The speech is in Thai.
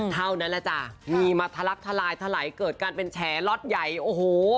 เท่านั้นแหละจ้ะมีมาทะลักทลายทะไหลเกิดการเป็นแฉล็อตใหญ่โอ้โห